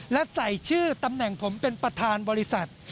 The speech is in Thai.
และใส่ชื่อตำแหน่งผมเป็นประธานบริษัท